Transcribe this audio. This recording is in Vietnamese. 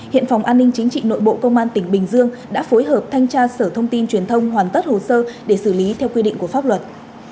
hiện phòng an ninh chính trị nội bộ công an tỉnh bình dương đã phối hợp thanh tra sở thông tin truyền thông hoàn tất hồ sơ để xử lý theo quy định của pháp luật